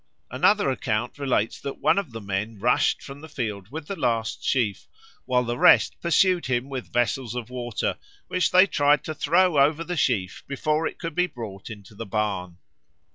Another account relates that one of the men rushed from the field with the last sheaf, while the rest pursued him with vessels of water, which they tried to throw over the sheaf before it could be brought into the barn.